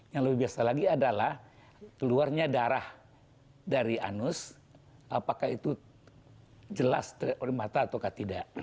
yang lebih biasa lagi adalah keluarnya darah dari anus apakah itu jelas oleh mata atau tidak